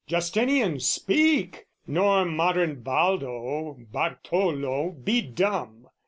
Justinian speak! Nor modern Baldo, Bartolo be dumb!